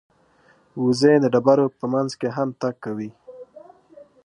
وزې د ډبرو په منځ کې هم تګ کوي